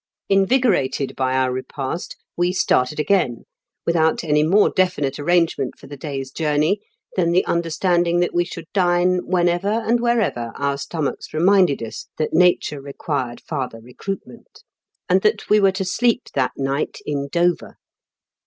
Invigorated by our repast, we started again, without any more definite arrangement for the day's journey than the understanding that we should dine whenever and wherever our stomachs reminded us that nature required farther recruitment, and that we were to sleep that night in Dover.